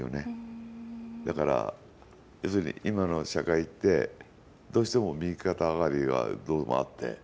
だから、要するに今の社会ってどうしても右肩上がりがどうもあって。